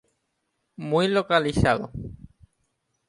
Muy localizado.